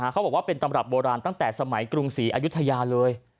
เขาบอกว่าเป็นตำรับโบราณตั้งแต่สมัยกรุงศรีอายุทยาเลย